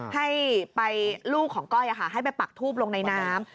ให้ไปลูกของก้อยให้ไปปักทูบลงในน้ำ